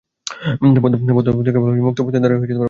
বদ্ধ অবস্থা কেবল মুক্ত অবস্থা দ্বারাই ব্যাখ্যাত হইতে পারে।